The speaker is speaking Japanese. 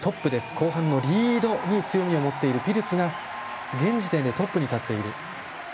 後半のリードに強みを持っているピルツが現時点でトップに立っている。